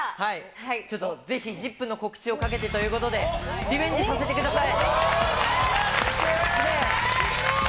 ちょっとぜひ、ＺＩＰ！の告知を懸けてということで、リベンジさせてください！